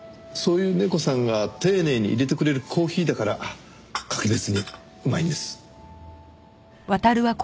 そういうネコさんが丁寧に淹れてくれるコーヒーだから格別にうまいんです。